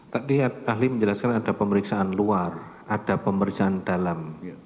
tadi ahli menjelaskan ada pemeriksaan luar ada pemeriksaan dalam